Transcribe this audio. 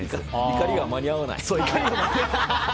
怒りが間に合わない。